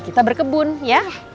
kita berkebun ya